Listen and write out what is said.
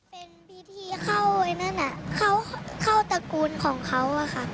เป็นพิธีเข้าไอ้นั่นน่ะเข้าตระกูลของเขาอะค่ะ